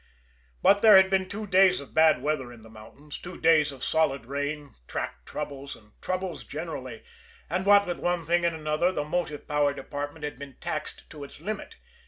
But there had been two days of bad weather in the mountains, two days of solid rain, track troubles, and troubles generally, and what with one thing and another, the motive power department had been taxed to its limit.